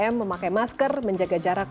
tiga m memakai masker menjaga jarak